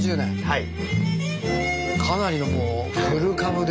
はい。